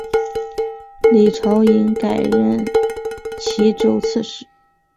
李朝隐改调任岐州刺史。